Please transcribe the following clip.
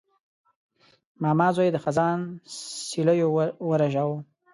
ماما زوی د خزان سیلیو ورژاوه.